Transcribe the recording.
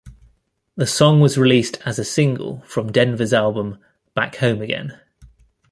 The song was released as a single from Denver's album, "Back Home Again".